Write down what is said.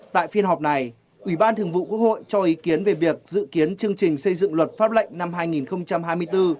tại phiên họp này ủy ban thường vụ quốc hội cho ý kiến về việc dự kiến chương trình xây dựng luật pháp lệnh năm hai nghìn hai mươi bốn